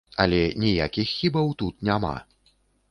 Але ніякіх хібаў тут няма.